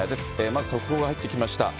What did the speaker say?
まず速報が入ってきました。